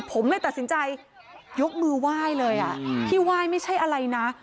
ผมเลยตัดสินใจยกมือไหว้เลยที่ไหว้ไม่ใช่อะไรนะ